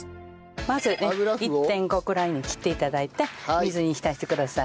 まずね１．５ぐらいに切って頂いて水に浸してください。